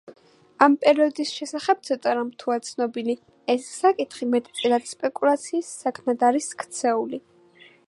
ამ პერიოდის შესახებ ცოტა რამ თუა ცნობილი, ეს საკითხი, მეტწილად, სპეკულაციის საგნად არის ქცეული.